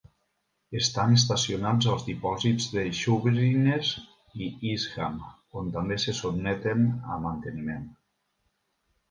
Estan estacionats als dipòsits de Shoeburyness i East Ham, on també se sotmeten a manteniment.